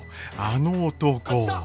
あの男。